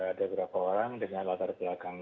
ada berapa orang dengan latar belakang